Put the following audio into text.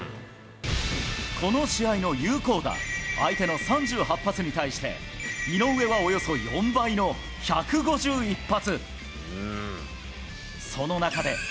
この試合の有効打、相手の３８発に対して、井上はおよそ４倍の１５１発。